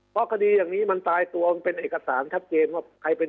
เพราะคดีอย่างนี้มันตายบันตรวงเป็นเอกสารชัดเจน